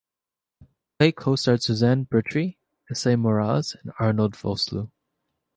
The play co-starred Suzanne Bertish, Esai Morales and Arnold Vosloo.